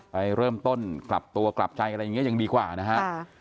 ไปเริ่มต้นกลับตัวกลับใจอะไรอย่างนี้ยังดีกว่านะฮะ